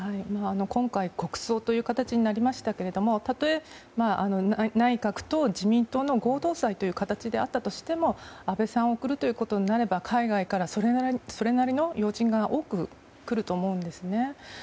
今回国葬という形になりましたがたとえ内閣と自民党の合同葬という形であっても安倍さんを送るということになれば海外から、それなりの要人が多く来ると思うんですね。